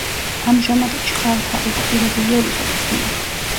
ამჟამად ჩხალთა ოკუპირებულია რუსეთის მიერ.